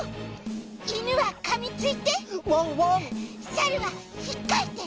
サルはひっかいて。